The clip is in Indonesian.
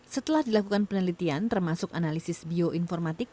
setelah dilakukan penelitian termasuk analisis bioinformatik